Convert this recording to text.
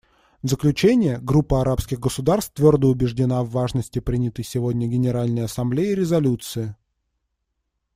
В заключение, Группа арабских государств твердо убеждена в важности принятой сегодня Генеральной Ассамблеей резолюции.